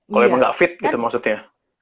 kalau emang gak fit gitu maksudnya